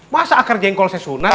masa akar jengkol saya sunat